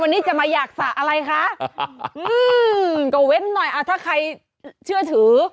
วันนี้จะมาอยากสระอะไรคะอืมก็เว้นหน่อยอ่ะถ้าใครเชื่อถือ